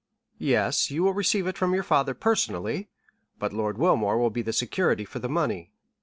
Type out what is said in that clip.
"Yes, you will receive it from your father personally, but Lord Wilmore will be the security for the money.